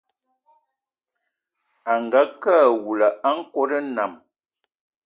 Angakë awula a nkòt nnam